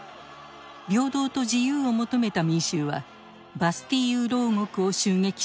平等と自由を求めた民衆はバスティーユ牢獄を襲撃しました。